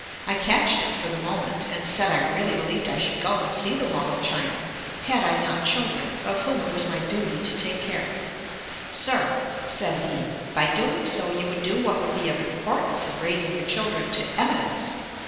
I catched it for the moment, and said I really believed I should go and see the wall of China had I not children, of whom it was my duty to take care. "Sir, (said he,) by doing so you would do what would be of importance in raising your children to eminence.